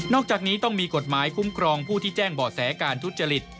อกจากนี้ต้องมีกฎหมายคุ้มครองผู้ที่แจ้งเบาะแสการทุจริต